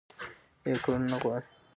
يا ئې کول نۀ غواړي